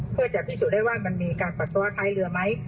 เพื่อจะพิสูจนได้ว่ามันมีการปัสสาวะท้ายเรือไหม